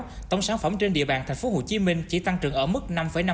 theo kinh tế dự báo tổng sản phẩm trên địa bàn thành phố hồ chí minh chỉ tăng trưởng ở mức năm năm